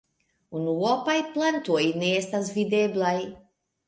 Unuopaj plantoj ne estas videblaj.